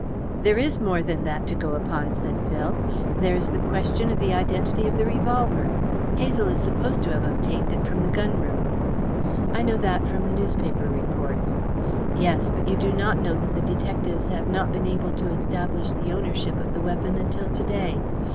"There is more than that to go upon," said Phil. "There is the question of the identity of the revolver. Hazel is supposed to have obtained it from the gun room." "I know that from the newspaper reports." "Yes, but you do not know that the detectives have not been able to establish the ownership of the weapon until to day.